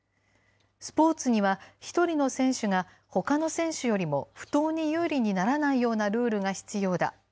スポーツには１人の選手がほかの選手よりも不当に有利にならないようなルールが必要だ。